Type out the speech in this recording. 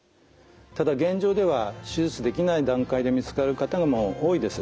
ただ現状では手術できない段階で見つかる方も多いです。